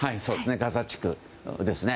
ガザ地区ですね。